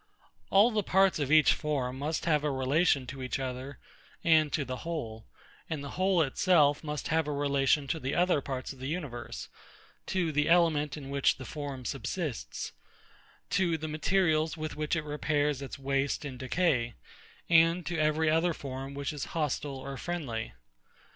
All the parts of each form must have a relation to each other, and to the whole; and the whole itself must have a relation to the other parts of the universe; to the element in which the form subsists; to the materials with which it repairs its waste and decay; and to every other form which is hostile or friendly.